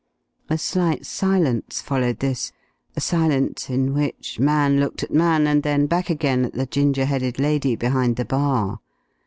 A slight silence followed this, a silence in which man looked at man, and then back again at the ginger headed lady behind the bar.